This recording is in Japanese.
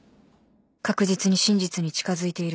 確実に真実に近づいている